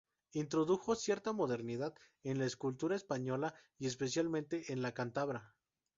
Introdujo cierta modernidad en la escultura española y especialmente en la cántabra.